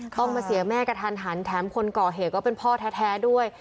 ต้องมาเสียแม่กระทันหันแถมคนก่อเหตุก็เป็นพ่อแท้ด้วย